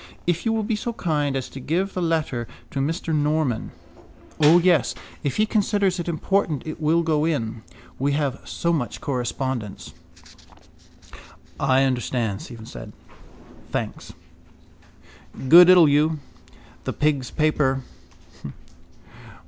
If you will be so kind as to give the letter to Mr Norman... —O, yes. If he considers it important it will go in. We have so much correspondence. —I understand, Stephen said. Thanks. God ild you. The pigs' paper.